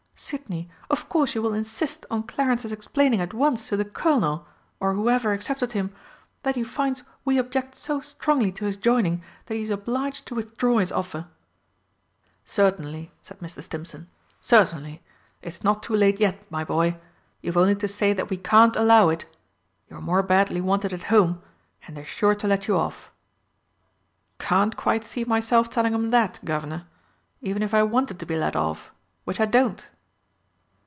Sidney, of course you will insist on Clarence's explaining at once to the Colonel, or whoever accepted him, that he finds we object so strongly to his joining that he is obliged to withdraw his offer." "Certainly," said Mr. Stimpson. "Certainly. It's not too late yet, my boy. You've only to say that we can't allow it you're more badly wanted at home and they're sure to let you off." "Can't quite see myself telling 'em that, Guv'nor. Even if I wanted to be let off which I don't."